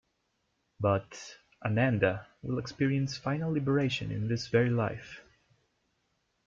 But...Ananda will experience final liberation in this very life.